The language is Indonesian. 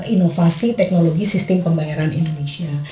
inovasi teknologi sistem pembayaran indonesia